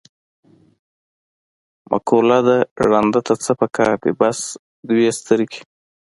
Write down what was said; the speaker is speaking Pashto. مقوله ده: ړانده ته څه په کار دي، بس دوه سترګې.